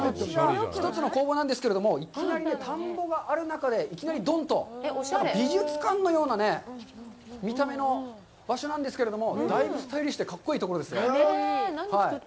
１つの工房なんですけれども、いきなり田んぼがある中で、いきなりどんと美術館のような見た目の場所なんですけれども、だいぶスタイリッシュで格好いいところですよ。